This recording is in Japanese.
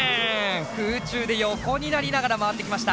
空中で横になりながら回ってきました。